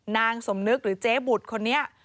นางสมนึกหรือเจ๊บุตรคนนี้